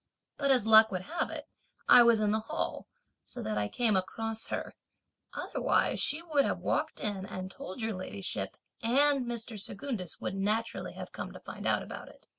But as luck would have it, I was in the hall, so that I came across her; otherwise, she would have walked in and told your ladyship, and Mr. Secundus would naturally have come to know about it!